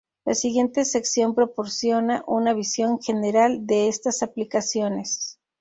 La siguiente sección proporciona una visión general de estas aplicaciones.